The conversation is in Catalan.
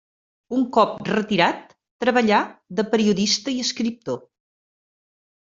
Un cop retirat treballà de periodista i escriptor.